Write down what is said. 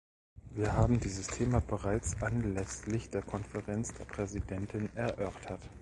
Wir haben dieses Thema bereits anlässlich der Konferenz der Präsidenten erörtert.